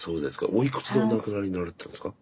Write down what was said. おいくつでお亡くなりになられたんですか？